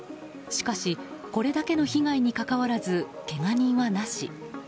しかし、これだけの被害にかかわらず、けが人はなし。